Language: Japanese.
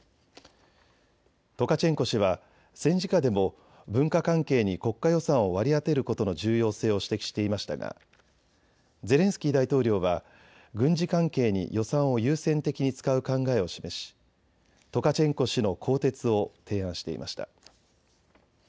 トカチェンコ氏は戦時下でも文化関係に国家予算を割り当てることの重要性を指摘していましたがゼレンスキー大統領は軍事関係に予算を優先的に使う考えを示しトカチェンコ氏の更迭を提案していました。